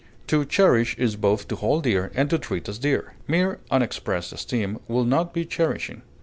To cherish is both to hold dear and to treat as dear. Mere unexpressed esteem would not be cherishing.